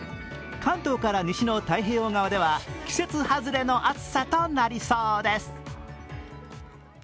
関東から西の太平洋側では季節外れの暑さとなりそうです。